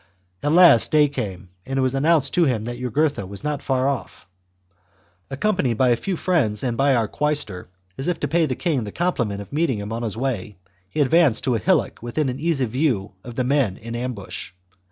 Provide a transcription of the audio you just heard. At last day came, and it was announced to him that Jugurtha was not far off. Accompanied by a few friends, and by our quaestor, as if to pay the king the compliment of 246 THE JUGURTHINE WAR. cxm* "meeting him on his way, he advanced to a hillock within easy view of the men in ambush.